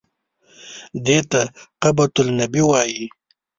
دې ته قبة النبي وایي.